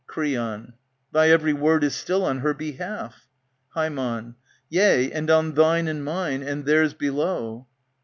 Creon, Thy every word is still on her behalf Ham, Yea, and on thine and mine, and Theirs below.